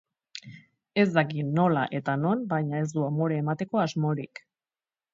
Ez daki nola eta non, baina ez du amore emateko asmorik.